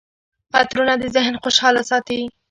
عطرونه د ذهن خوشحاله ساتي.